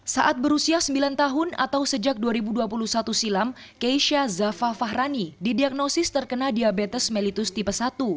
saat berusia sembilan tahun atau sejak dua ribu dua puluh satu silam keisha zafa fahrani didiagnosis terkena diabetes mellitus tipe satu